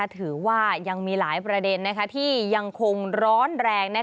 ถือว่ายังมีหลายประเด็นที่ยังคงร้อนแรง